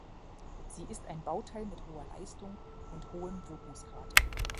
Sie ist ein Bauteil mit hoher Leistung und hohem Wirkungsgrad.